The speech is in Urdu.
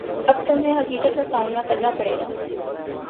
اب تمہیں حقیقت کا سامنا کرنا پڑے گا